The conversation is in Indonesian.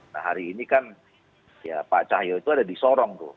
nah hari ini kan ya pak cahyo itu ada di sorong tuh